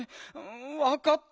わかった。